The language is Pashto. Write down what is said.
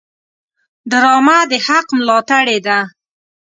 ډرامه د حق ملاتړې ده